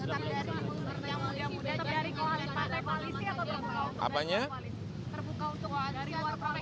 tetap dari yang muda tetap dari yang muda